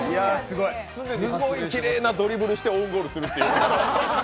すごいきれいなドリブルしてオウンゴールするっていう。